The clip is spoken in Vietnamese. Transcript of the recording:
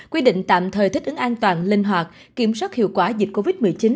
quy định tạm thời thích ứng an toàn linh hoạt kiểm soát hiệu quả dịch covid một mươi chín